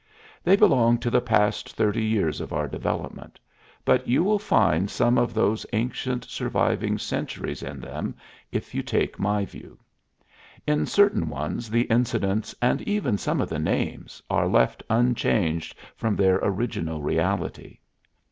They belong to the past thirty years of our development, but you will find some of those ancient surviving centuries in them if you take my view. In certain ones the incidents, and even some of the names, are left unchanged from their original reality.